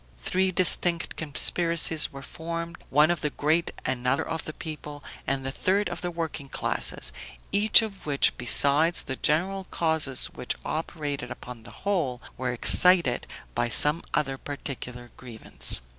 Three distinct conspiracies were formed; one of the great; another of the people, and the third of the working classes; each of which, besides the general causes which operated upon the whole, were excited by some other particular grievance.